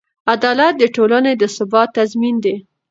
عدالت د ټولنې د ثبات تضمین دی.